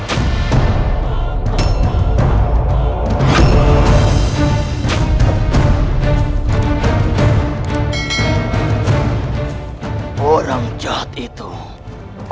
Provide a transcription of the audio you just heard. orang jahat itu orang yang mengirim pembunuhan